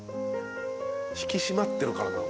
引き締まってるからなのかな。